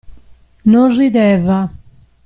Non rideva.